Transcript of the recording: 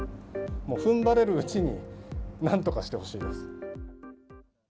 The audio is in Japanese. もうふんばれるうちに、なんとかしてほしいです。